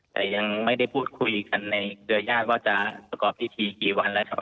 แต่ยังไม่ได้พูดคุยกันในเครือญาติว่าจะประกอบพิธีกี่วันแล้วครับ